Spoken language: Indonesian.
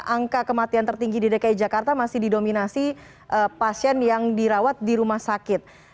angka kematian tertinggi di dki jakarta masih didominasi pasien yang dirawat di rumah sakit